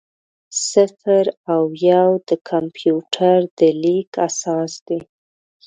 صفر او یو د کمپیوټر د لیک اساس دی.